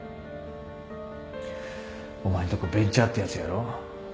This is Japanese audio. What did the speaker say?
お前んとこベンチャーってやつやろ？